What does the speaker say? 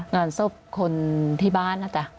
งานศพคนที่บ้าน